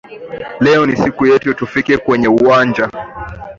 Leo ni siku yetu tufike kwenye uwanja